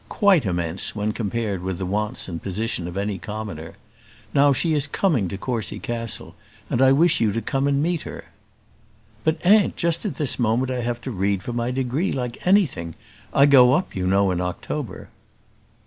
"Quite immense when compared with the wants and position of any commoner. Now she is coming to Courcy Castle, and I wish you to come and meet her." "But, aunt, just at this moment I have to read for my degree like anything. I go up, you know, in October."